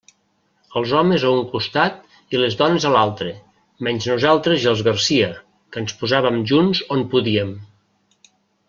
Els homes a un costat i les dones a l'altre, menys nosaltres i els Garcia, que ens posàvem junts on podíem.